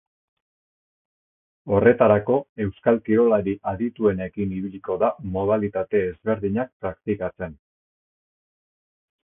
Horretarako, euskal kirolari adituenekin ibiliko da modalitate ezberdinak praktikatzen.